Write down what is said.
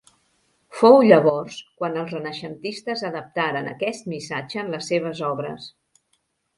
Fou llavors quan els renaixentistes adaptaren aquest missatge en les seves obres.